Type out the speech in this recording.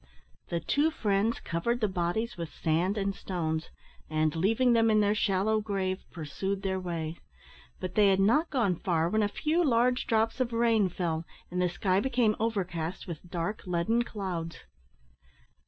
The two friends covered the bodies with sand and stones, and, leaving them in their shallow grave, pursued their way; but they had not gone far when a few large drops of rain fell, and the sky became overcast with dark leaden clouds.